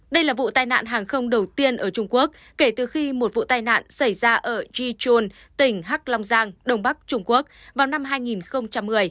đây là vụ tai nạn hàng không đầu tiên ở trung quốc kể từ khi một vụ tai nạn xảy ra ở jichon tỉnh hắc long giang đông bắc trung quốc vào năm hai nghìn một mươi